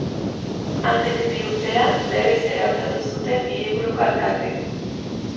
Handik bi urtera berriz ere hautatu zuten hiriburuko alkate.